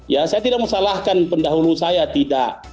ya saya tidak mau salahkan pendahulu saya tidak